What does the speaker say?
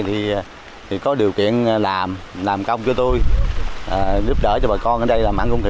thì có điều kiện làm công cho tôi giúp đỡ cho bà con ở đây làm ăn cũng khá